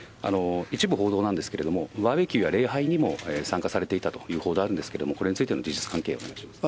一部報道ではバーベキューや礼拝にも参加されていたという報道あるんですけれども、これについての事実関係をお願いします。